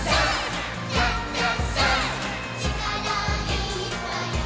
「ちからいっぱい」